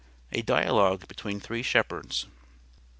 A DIALOGUE BETWEEN THREE SHEPHERDS.